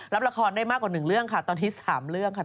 รับละครได้มากกว่า๑เรื่องค่ะตอนนี้๓เรื่องค่ะ